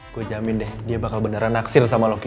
gue jamin deh dia bakal beneran naksil sama loki